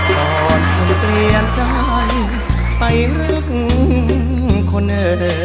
ก่อนที่เปลี่ยนใจไปรักคนเอ่อ